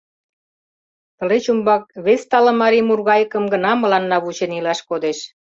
Тылеч умбак вес тале марий мургайыкым гына мыланна вучен илаш кодеш.